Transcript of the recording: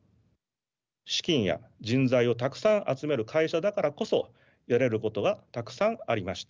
資金や人材をたくさん集める会社だからこそやれることがたくさんありました。